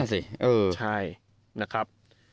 ใช่นะครับ